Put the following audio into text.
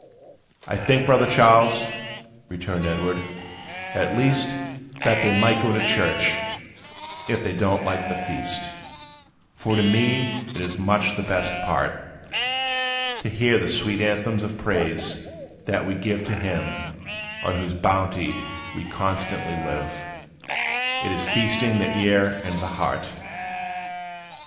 "I think, brother Charles," returned Edward, "at least, That they might go to church, if they do n't like the feast; For to me it is much the best part, To hear the sweet anthems of praise, that we give To Him, on whose bounty we constantly live: It is feasting the ear and the heart.